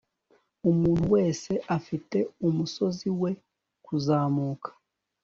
umuntu wese afite umusozi we kuzamuka